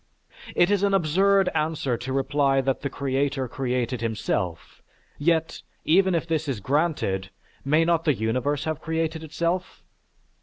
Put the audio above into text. It is an absurd answer to reply that the creator created himself, yet, even if this is granted, may not the universe have created itself?